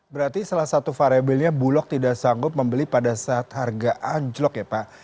berarti salah satu variabelnya bulog tidak sanggup membeli pada saat harga anjlok ya pak